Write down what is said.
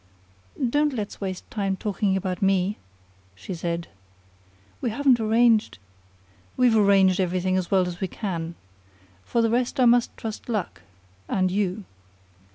"Don't let's waste time talking about me," she said. "We haven't arranged " "We've arranged everything as well as we can. For the rest, I must trust to luck and you.